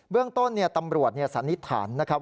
เรื่องต้นตำรวจสันนิษฐานนะครับ